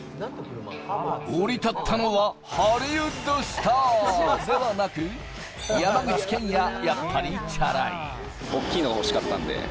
降り立ったのはハリウッドスターではなく、山口拳矢、やっぱりチャラい。